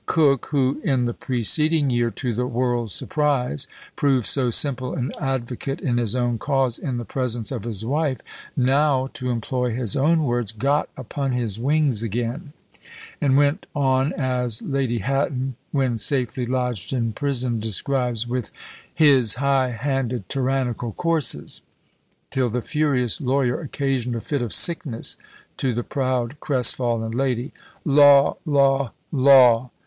Coke, who, in the preceding year, to the world's surprise, proved so simple an advocate in his own cause in the presence of his wife, now, to employ his own words, "got upon his wings again," and went on as Lady Hatton, when safely lodged in prison, describes, with "his high handed tyrannical courses," till the furious lawyer occasioned a fit of sickness to the proud crest fallen lady. "Law! Law! Law!"